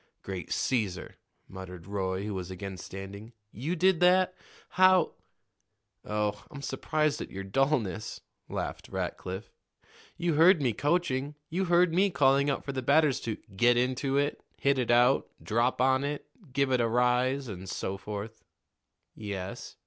"Great Caesar!" muttered Roy, who was again standing. "You did that? How " "Oh, I'm surprised at your dullness," laughed Rackliff. "You heard me coaching. You heard me calling out for the batters to 'get into it,' 'hit it out,' 'drop on it,' 'give it a rise,' and so forth." "Yes."